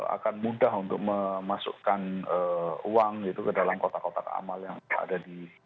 akan mudah untuk memasukkan uang gitu ke dalam kotak kotak amal yang ada di